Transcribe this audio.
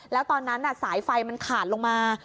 แล้วตอนนั้นสายไฟมันขาดลงมา